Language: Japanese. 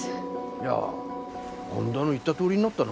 いやあんだの言ったとおりになったな。